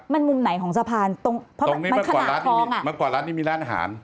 มันมุมไหนของสะพานตรงตรงนี้เมื่อก่อนร้านนี้มีร้านหาร